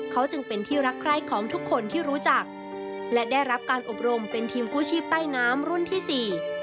เขาจึงเป็นที่รักใคร่ของทุกคนที่รู้จักและได้รับการอบรมเป็นทีมกู้ชีพใต้น้ำรุ่นที่สี่